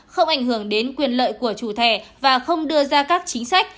không ảnh hưởng đến quyền lợi của chủ thẻ và không đưa ra các chính sách